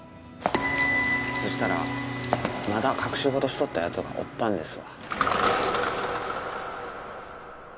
そしたらまだ隠し事しとったやつがおったんですわ